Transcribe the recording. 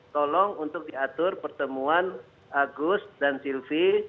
tolong untuk diatur pertemuan agus dan silvi